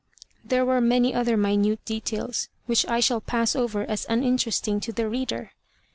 There were many other minute details, which I shall pass over as uninteresting to the reader.